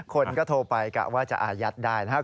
คนก็โทรไปกะว่าจะอายัดได้นะครับ